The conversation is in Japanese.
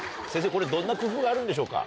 これどんな工夫があるんでしょうか？